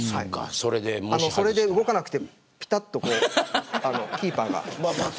それで動かなくてぴたっとキーパーが。